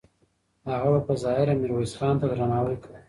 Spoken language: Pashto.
هغه به په ظاهره میرویس خان ته درناوی کاوه.